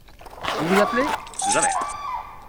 Vous vous appelez ? Javert.